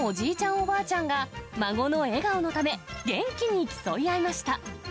おばあちゃんが、孫の笑顔のため、元気に競い合いました。